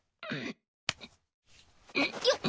よっ！